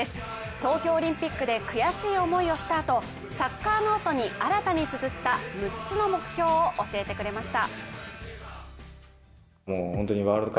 東京オリンピックで悔しい思いをしたあとサッカーノートに新たにつづった６つの目標を教えてくれました。